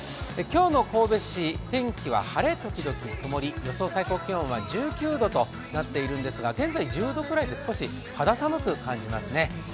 今日の神戸市、天気は晴れ時々曇り、予想最高気温は１９度となっているんですが、現在１０度ぐらいで少し肌寒く感じますね。